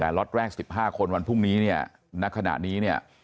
แต่รถแรกสิบห้าคนวันพรุ่งนี้เนี่ยณขณะนี้เนี่ย